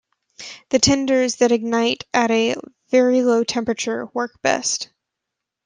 The tinders that ignite at a very low temperature work best.